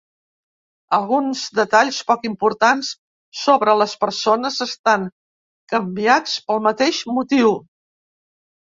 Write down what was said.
Alguns detalls poc importants sobre les persones estan canviats pel mateix motiu.